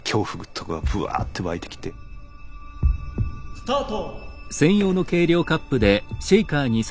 スタート。